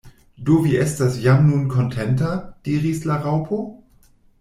"Do vi estas jam nun kontenta?" diris la Raŭpo.